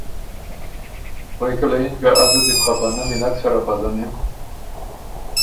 غوېکه له یِن که ”ازه دی بو خه په نمی نک سره پزنِم